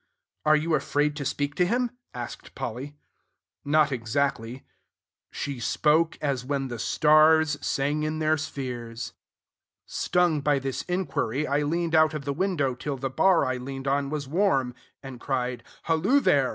"Are you afraid to speak to him?" asked Polly. Not exactly, ...."she spoke as when The stars sang in their spheres. "Stung by this inquiry, I leaned out of the window till "The bar I leaned on (was) warm," and cried, "Halloo, there!